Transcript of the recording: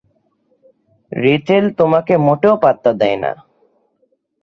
Rachel তোমাকে মোটেও পাত্তা দেয় না।